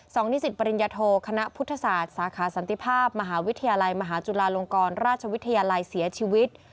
นิสิตปริญญโทคณะพุทธศาสตร์สาขาสันติภาพมหาวิทยาลัยมหาจุฬาลงกรราชวิทยาลัยเสียชีวิต